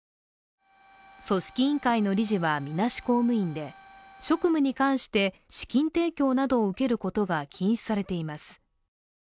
組織委員会の理事は、みなし公務員で職務に関して資金提供などを受けることが禁止されています。